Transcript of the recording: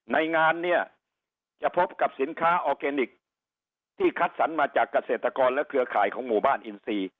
ในงานเนี่ยจะพบกับสินค้าออร์แกนิคที่คัดสรรมาจากเกษตรกรและเครือข่ายของหมู่บ้านอินซี